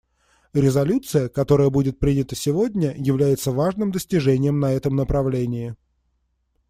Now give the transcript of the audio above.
Резолюция, которая будет принята сегодня, является важным достижением на этом направлении.